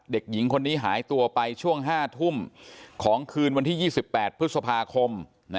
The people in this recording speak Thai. เด็กหญิงคนนี้หายตัวไปช่วง๕ทุ่มของคืนวันที่๒๘พฤษภาคม